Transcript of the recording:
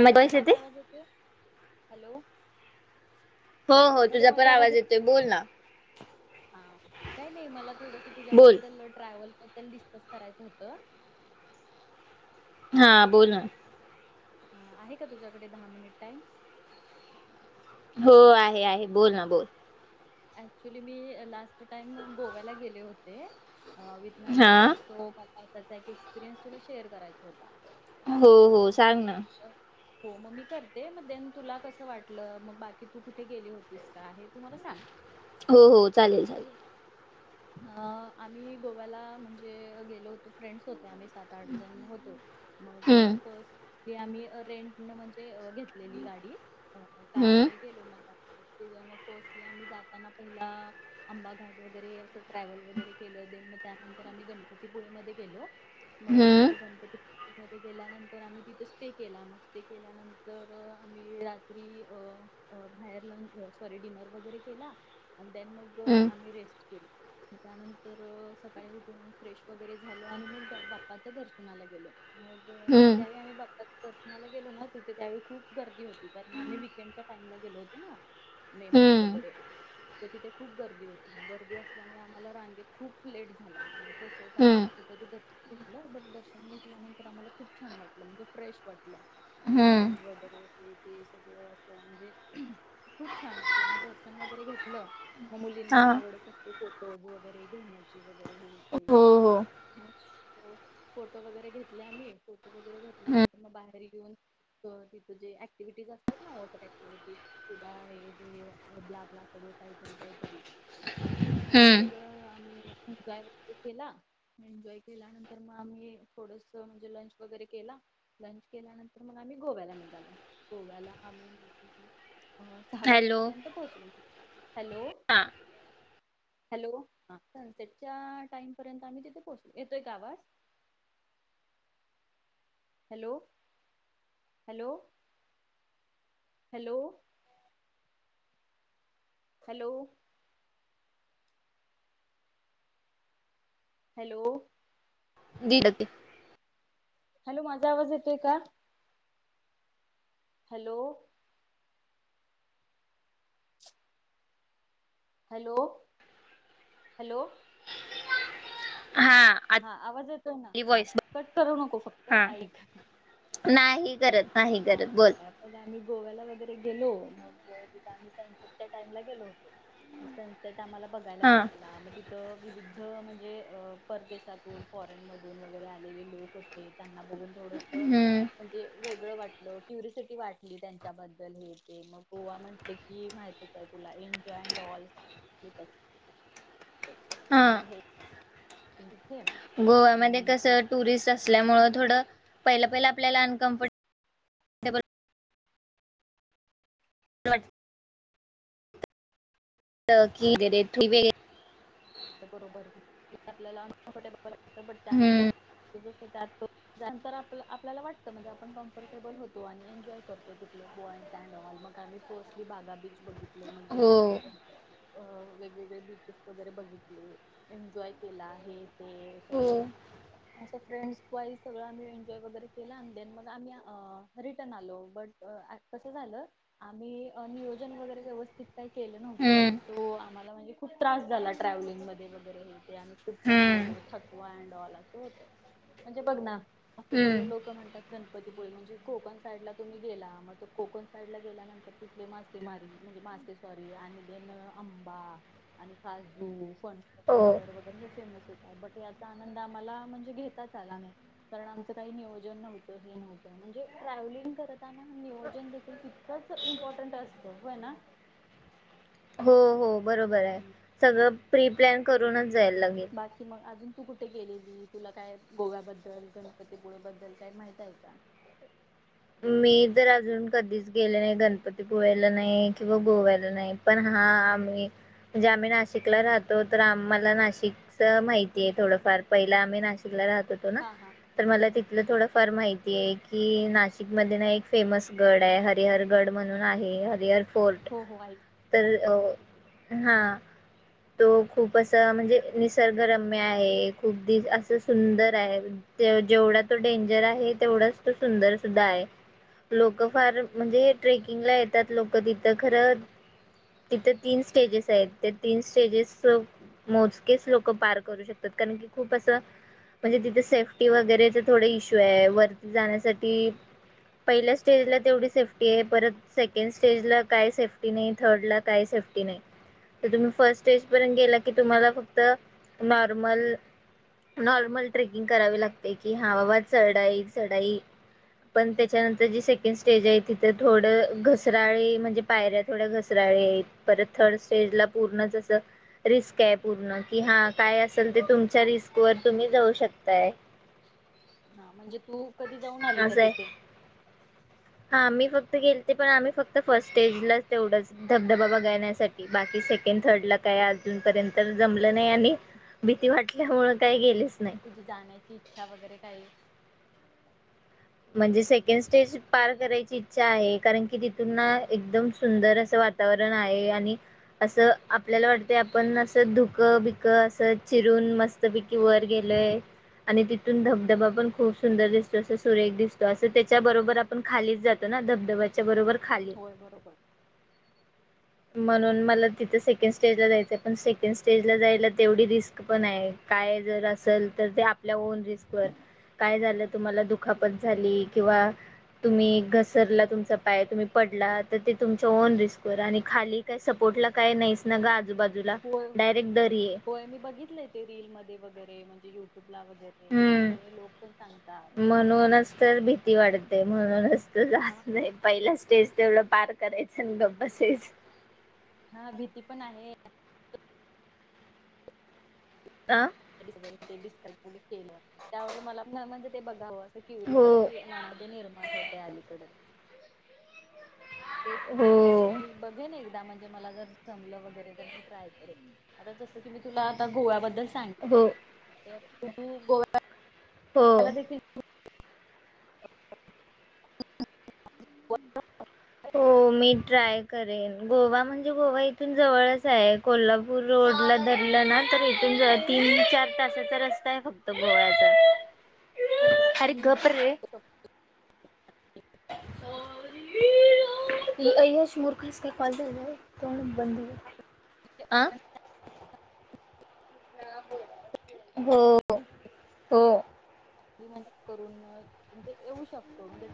हो हो येते? माझा आवाज यतोय हॅलो हो हो हॅलो तुझा मज पण आवाज येतोय बोल ना. काही नाही मला थोडस बोल तुझ्याबद्दल ट्रॅवल [unintelligible] डिस्कस करायचं होतं हा बोल ना हा आहे का तुझ्याकडे दहा मिनिट टाईम हो आहे आहे बोल ना बोल अऍक्चुली मी लास्ट टाइम गोव्याला गेले होते अ विथ माय हा फ्रेंड्स सो तर त्याक एक एक्सपिरियनस तुला शेअर करायचा होता हो हो तो सांग ना हो मग मी करते मग देन तुला कसं वाटलं मग बाकी तू कुठे गेली होतीस का हे तुम्हाला सांग हो हो चालेल चालेल अ आम्ही गोव्याला म्हणजे गेलो होतो फ्रेंड्स होते आम्ही सात आठ जण होतो मग हम्म की आम्ही रेंट न म्हणजे घेतलेली गाडी अ हम्म कारने गेलो मग ते मग फर्स्टली आम्ही जाताना पहिला आंबाघाट वगैरे ट्रॅव्हल वगैरे केलं ज म त्यानंतर आम्ही गणपतीपुळे मध्ये गेलो मग गणपती. मध्ये गेल्यानंतर आम्ही तिथे स्टे केला मग स्टे केल्यानंतर आम्ही रात्री अ बाहेर लंच सॉरी डिनर वगैरे केला आणि दन मग हम्म आम्ही रेस्ट केली. मग त्यानंतर सकाळी उठून आम्ही फ्रेश वगैरे झालो आणि मग बाप्पाच्या दर्शनाला गेलो मग हम्म ज्यावेळी आम्ही बाप्पाच्या दर्शनाला गेलो ना तिथे त्यावेळी खूप गर्दी होती कारण आम्ही वकेंडच्या टाइमला गेलो होतो ना. मे मध्ये हम्म वगैरे तर तिथे खूप गर्दी होती मग गर्दी असते. त्यामुळे आम्हाला रांगेत खूप लेट झाला. तसच आम्ही हम्म कस तरी. घलं बट दर्शन घेतल्यानंतर आम्हाला खूप छान वाटलं म्हणजे फ्रेश वाटलं. हम्म हम्म माइंड वगैरे. ते सगळं अस म्हणजे खूप छान वाटलं मग दर्शन वगैरे घेतलं. मग हा मुलींना आवडतच. फोटोज वगैरे घेण्याची वगैरे हे ये हो हो ह फोटो वगैरे घेतले आम्ही फोटो वगैरे हम्म घेतल्यानंतर मग बाहेर घेऊन तिथं जे ऍक्टिव्हिटीज असतात ना ऑटक ऍक्टिव्हिटीजु हे दे बलाबला सगळं काहीतरी काहीतरी. मग ते हम्म सगळं आम्ही एन्जॉय वगैरे केला एन्जॉय केल्यानंतर मग आम्ही थोडस म्हणजे लंच वगैरे केला लंच केल्यानंतर मग आम्ही गोव्याला निघालो गोव्याला आम्ही अ सहा हॅलो वाजेपर्यंत पोहोचल हॅलो हा हॅलो हा त्याच्या टाइम पर्यंत आम्ही तिथे पोहच येतोय का आवाज hello hello hello hello hello गते हॅलो माझा आवाज येतोय का हॅलो हॅलो हॅलो हा हा आली आवाज येतोय ना हा वॉइस कट करू नको फक्त हा ऐक नाही करत नाही हा करत ठीक बोल आहे पण आम्ही गोव्याला वगैरे गेलो मग आम्ही सनसेटच्या टाईमला गेलो होतो सनट आम्हाला बघायला हा मिळाला मग तिथ विध म्हणजे परदेश फॉरेन मधून वगैरे आले लोक होते त्यांना बघ थोडस हम्म म्हणजे वेगळं वाट क्युरसिटी वाटली त्यांच्याबद्दल हे ते मग गोवा म्हंटले की माहितच आहे तुला एन्जॉय अड ऑल मु हा ह गोव्यामध्ये कस टुरिस्ट असल्यामुं थोडं पहिलं पहिलं आपल्याला अनकम्फर्टेल [inaudible] की [inaudible] बरोबर आपल्याला अनकमफर्टेबल त्यानंतर हम्म त्यातंतर आप आपल्याला वाटतं म्हणजे आपण कम्फर्टेबल होतो. आणि एन्जॉय करतो तिथले पॉइंट्स अँड ऑल मग आम्ही फर्स्टली बागा बीच बघित मग हो [inaudible] अ वेगवेगळे बीचेस वगैरे बघित ले एन्जॉय केला हे ते हो सगळ अस फ्रेंड सगळ आम्ही एन्जॉय वगैरे केला आणिन मग आम्ही रिटर्न आलो! बट कस झालं आम्ही नियोजन वगैरे व्यवस्थित व्यवस्थित काय केलं नव्हत हम्म सो आम्हास्नी! खूप त्रास झाला ट्रॅव्हिंग मध्ये वगैरे हे ते आम्ही खूप हम्म संपलेलो थकवा अँड ऑल असं होत! म्हणजे बघ ना, अस सगळे हम्म लोक म्हणतात गणपतीपुळी म्हणजे कोकण साईडला तुम्ही गेला मग तो कोकण साईड ला, गेल्यानंतर तिथले मासे मारी म्हणजे! मासे सॉरी आणि देन आंबा आणि काजू हो वगैर हे फेमस याचा आनंद आम्हाला म्हणजे घेताच आला नाही! कारण आमचं काही नियोजन नव्हतं हे नव्हतं म्हणजे ट्रॅव्हलिंग करताना नियोजन देखील तितकच इम्पॉर्टंट असत! होय ना? हो हो बरोबर आहे सगळं प्री प्लॅन करूनच जायला लागेल बाकी मग अजून तू कुठे केलेली तुला काय गोव्याबद्दल, गणपतीपुळे बद्दल काय माहित आहे का? मी तर अजून कधीच गेले नाही गणपतीपुळ्याला नाही किंवा गोव्याला नाही पण! हा आम्ही म्हणजे आम्ही नाशिकला राहतो तर आमम्हाला नाशिकच माहिती आहे थोडफार पहिला आम्ही नाशिकला राहतो. ना हा हा तर मला त आपलं थोडं फार माहिती आहे की ना शिक मध्ये ना एक फेमस गड आहे हरिहर गड म्हणून आहे. हरिहर! फोर्ट हो हो ऐक तर त्याबद्दल हा तो खूप असं म्हणजे निसर्गरम्य आहे खूप दि असं सुंदर आहे जेवढा तो डेंजर आहे! तेवढाच तो सुंदर सुद्धा आहे लोक फार म्हणजे ट्रेकिंगला येतात लोक तिथं खरं तिथं तीन स्टेजेस आहेत त्या तीन स्टेजेस मोजकेच लोक पार करू शकतात कारण की खूप असं म्हणजे तिथं सेफ्टी वगैरेच थोड इश्यू आहे. वरती जाण्यासाठी! पहिल्या स्टेजला तेवढी सेफ्टी आहे परत सेकंड स्टेजला काय सेफ्टी नाही थर्डला काय सेफ्टी नाही तर तुम्ही फर्स्ट स्टेज पर्यंत गेला की तुम्हाला फक्त नॉर्मल नॉर्मल ट्रेकिंग करावी लागते! कि हावावा चढाई चढाई पण त्याच्यानंतर जी सेकंड स्टेज आहे तिथं थोडं घसराळी म्हणजे पायऱ्या थोड्या घसराळी आहेत परत थर्ड स्टेजला पूर्णच असं रिस्क आहे पूर्ण कि हा काय असेल ते तुमच्या रिस्क वर तुम्ही जाऊ शकताय. हा म्हणजे तू कधी जाऊन आली का असं आहे तिथे? हा आम्ही फक्त गेलते पण आम्ही फक्त फर्स्ट स्टेजलाच तेवढंच धबधबा बघाण्यासाठी बाकी सेकंड थर्डला काय अजूनपर्यंत जमलं नाही. आणि भीती वाटल्यामुळे काही गेलीच नाही मग तुझी जाण्यायची इच्छा वगैरे काही? म्हणजे सेकंड स्टेज पार करायची इच्छा आहे कारण की तिथून ना एकदम सुंदर असं वातावरण आहे आणि असं आपल्याला वाटत आपण असं धुक बिक असं चिरून मस्तपैकी वर गेलोय आणि तिथून धबधबा पण खूप सुंदर दिसतो अस सुरेख दिसतो अस त्याच्याबरोबर आपण खालीच जातो ना धबधब्याच्या बरोबर खाली होय बरोबर म्हणून मला तिथं सेकंड स्टेजला जायचं आहे! पण सेकंड स्टेजला जायला तेवढी रिस्क पण आहे काय जर असेल तर ते आपल्या ओन रिस्कवर काय झालं तुम्हाला दुखापत झाली किंवा तुम्ही घसरला तुमचा पाय तुम्ही पडला तर ते तुमच्या ओन रिस्कवर आणि खाली काही सपोर्ट ला काय नाहीच न ग आजूबाजू होय- होय मी बघितलय ते रीलमध्ये वगैरे- म्हणजे युटूब- वगैरे हम्म सगळे लोकं सांगतात- ते म्हणूनच. हा नाही पहिला स्टेज- तेवढं पार करायचं न गप बसायचं. हा भीती पण आहे. आं? [unintelligible] त्यामुळे मला पण ते बघावं की हो वृत्ती मनामध्ये निर्माण होत आहे अलीकड. तेच हो मी बघेन एकदा म्हण- मला जर जमलं वगैरे तर मी ट्राय करेन जसं की मी आता तुला गोवा बद्दल हो सांगितलं, तर तू गोव्या हो. [inaudible] हो -मी ट्राय करेन गोवा म्हणजे गोवा इथून जवळच आहे. कोल्हापूर रोडला धरलं ना- तर इथून तीन चार तासाचा रस्ता आहे फक्त गोव्याचा. आपण हारीे गप इझिली रे. आयुश मुर्ख आहेस का? कॉल चालू आहे तोड बंद अह हो हो. मी म्हणजे, करून म्हणजे येऊ शकतो म्हणजे